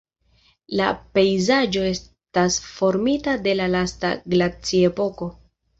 La pejzaĝo estas formita de la lasta glaciepoko.